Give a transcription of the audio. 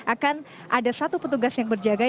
akan ada satu petugas yang berjaga